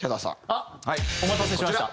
あっお待たせしました。